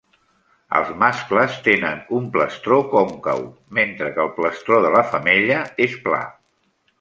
Els mascles tenen un plastró còncau, mentre que el plastró de la femella és pla.